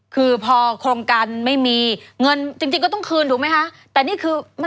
คือพอโครงการไม่มีเงินจริงก็ต้องคืนถูกไหมฮะ